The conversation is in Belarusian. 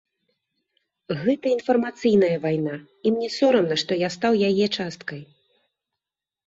Гэта інфармацыйная вайна, і мне сорамна, што я стаў яе часткай.